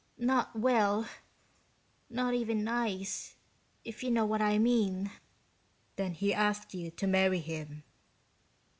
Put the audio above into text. Not well, not even nice, if you know what I mean." "Then he asked you to marry him."